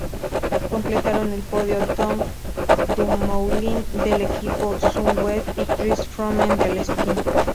Completaron el podio Tom Dumoulin del equipo Sunweb y Chris Froome del Sky.